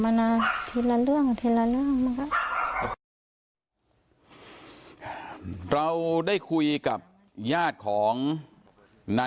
มันมีเรื่องมันหลายปีแล้วนะ